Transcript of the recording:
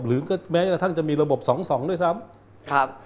หรือแม้จะมีระบบสองด้วยซ้ำ